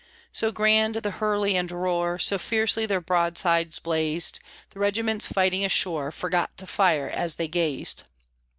So grand the hurly and roar, So fiercely their broadsides blazed, The regiments fighting ashore Forgot to fire as they gazed.